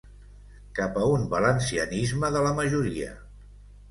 Cap a un valencianisme de la majoria.